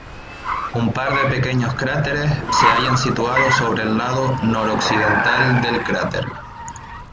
Un par de pequeños cráteres se hallan situados sobre el lado noroccidental del cráter.